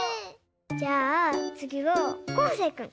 じゃあつぎはこうせいくん！